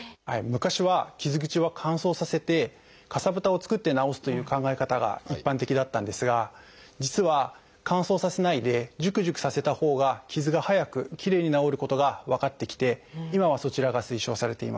昔は傷口は乾燥させてかさぶたを作って治すという考え方が一般的だったんですが実は乾燥させないでジュクジュクさせたほうが傷が早くきれいに治ることが分かってきて今はそちらが推奨されています。